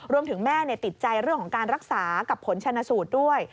แม่ติดใจเรื่องของการรักษากับผลชนะสูตรด้วย